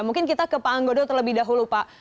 mungkin kita ke pak anggodo terlebih dahulu pak